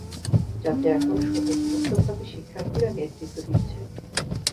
যাতে এখন স্বতঃস্ফূর্তভাবে শিক্ষার্থীরা নেতৃত্ব দিচ্ছে।